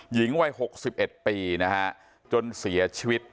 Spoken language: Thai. หญิงวัย๖๑ปีนะฮะจนเสียชีวิต